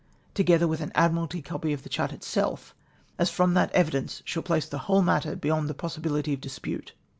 together with an Adinn alty copy of tlie chart itself, as from that evidence sliall place the whole matter beyond the possibility (.)f dispnte.